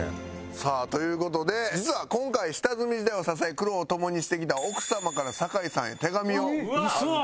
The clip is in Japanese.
さあという事で実は今回下積み時代を支え苦労を共にしてきた奥様から酒井さんへ手紙を預かっております。